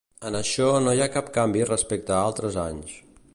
En això no hi ha cap canvi respecte a altres anys.